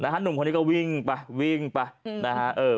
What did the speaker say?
หนุ่มคนนี้ก็วิ่งไปวิ่งไปนะฮะ